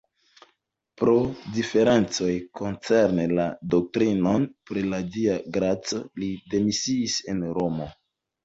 Pro diferencoj koncerne la doktrinon pri la Dia graco li demisiis en Romo.